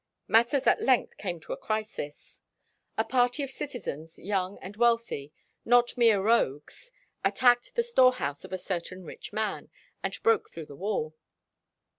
Matters at length came to a crisis. A party of citizens, young and wealthy, not mere rogues, attacked the "storehouse of a certain rich man," and broke through the wall.